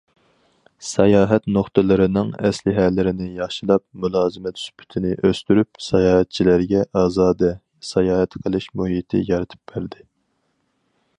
ساياھەت نۇقتىلىرىنىڭ ئەسلىھەلىرىنى ياخشىلاپ، مۇلازىمەت سۈپىتىنى ئۆستۈرۈپ، ساياھەتچىلەرگە ئازادە ساياھەت قىلىش مۇھىتى يارىتىپ بەردى.